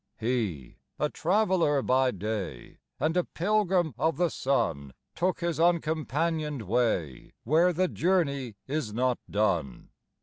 He, a traveller by day And a pilgrim of the sun, Took his uncompanioned way Where the journey is not done.